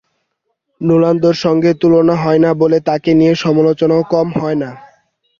রোনালদোর সঙ্গে তুলনা হয় বলে তাঁকে নিয়ে সমালোচনাও কম হয় না।